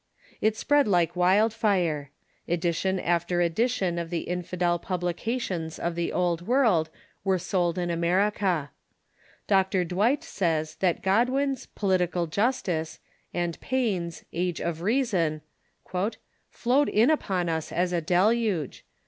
It spread like wildfire. Edition after edition of the infidel publications of the Old "World were sold in America. Dr. Dwight says that Godwin's "Political Justice" and Paine's " Age of Reason "" flowed in upon us as a deluge.